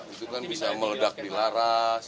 itu kan bisa meledak pilaras